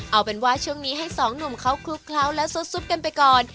เอาเป็นว่าช่วงนี้ให้สองหนุ่มเขาคลุกเคล้าและซุดกันไปก่อน